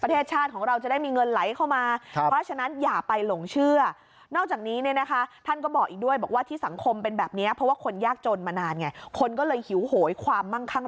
ประเทศชาติของเราจะได้มีเงินไหลเข้ามา